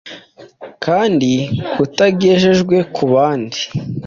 kandi kutagejejwe ku bandi,